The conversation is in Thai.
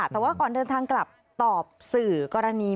แต่ว่าก่อนเดินทางกลับตอบสื่อกรณี